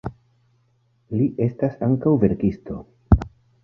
Li estas ankaŭ verkisto.